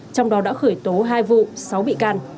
trong đó đã khởi tố hai vụ sáu bị can